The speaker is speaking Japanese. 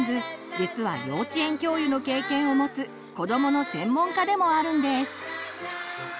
実は幼稚園教諭の経験をもつ子どもの専門家でもあるんです。